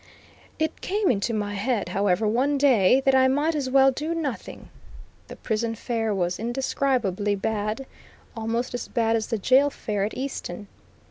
It came into my head, however, one day, that I might as well do nothing. The prison fare was indescribably bad, almost as bad as the jail fare at Easton.